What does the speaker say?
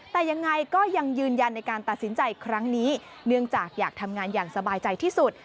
แต่ยังไงก็ยังยืนยันในการตัดสินใจครั้งนี้เนื่องจากอยากทำงานอย่างสบายใจที่สุด